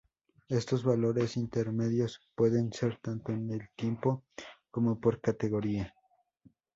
Estos valores intermedios pueden ser tanto en el tiempo como por categoría.